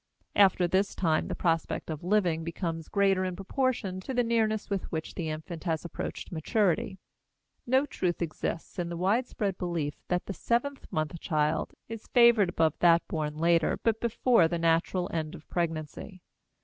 After this time, the prospect of living becomes greater in proportion to the nearness with which the infant has approached maturity. No truth exists in the widespread belief that the seventh month child is favored above that born later but before the natural end of pregnancy.